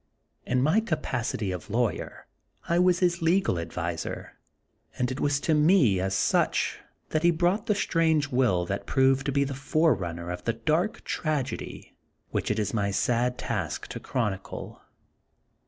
In my capac ity of lawyer I was his legal adviser, and it was to me, as such, that he brought the strange will that proved to be the forerunner of the dark tragedy which it is my sad task to chronicle.